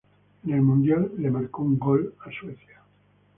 En el Mundial le marcó un gol a Suecia.